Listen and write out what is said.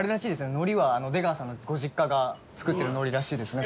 海苔は出川さんのご実家が作ってる海苔らしいですね